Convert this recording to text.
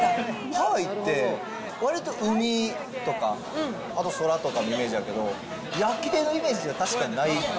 ハワイって、わりと海とか、あと空とかのイメージやけど、夜景のイメージが確かにない。